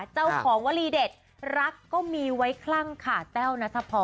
เจ้าของวลีเด็ดรักก็มีไว้คลั่งค่ะแต้วนัทพร